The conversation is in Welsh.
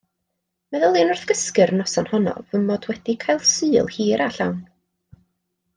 Meddyliwn wrth gysgu'r noson honno fy mod wedi cael Sul hir a llawn.